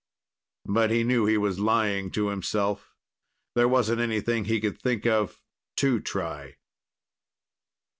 But he knew he was lying to himself. There wasn't anything he could think of to try.